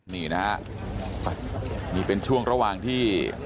นี่นะฮะนี่เป็นช่วงระหว่างที่